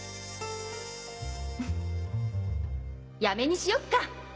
やめにしよっか！